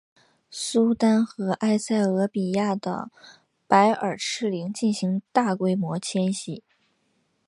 苏丹和埃塞俄比亚的白耳赤羚进行大规模迁徙。